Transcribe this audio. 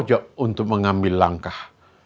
tidak terpojok untuk mengambil langkah